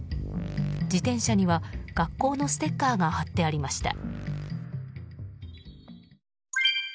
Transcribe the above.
自転車には学校のステッカーが貼ってありました。